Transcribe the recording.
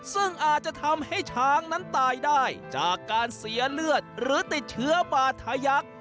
ซึ่งอาจจะทำให้ช้างนั้นตายได้จากการเสียเลือดหรือติดเชื้อบาธยักษ์